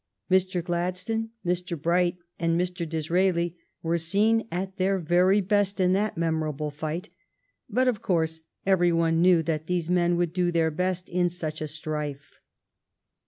Mr. Gladstone, Mr. Bright, and Mr. Dis raeli were seen at their very best in that memo rable fight, but, of course, every one knew that these men would do their best in such a strife.